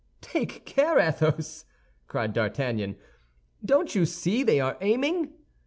"Take care, Athos!" cried D'Artagnan; "don't you see they are aiming?"